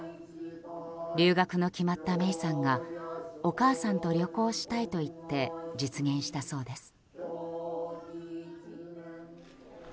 留学の決まった芽生さんがお母さんと旅行したいと言って実現したそうです。